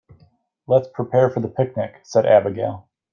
"Let's prepare for the picnic!", said Abigail.